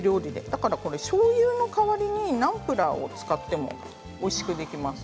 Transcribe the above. だからこれ、おしょうゆの代わりにナムプラーを使ってもおいしくできます。